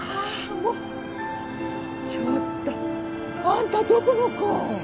もうちょっとあんたどこの子？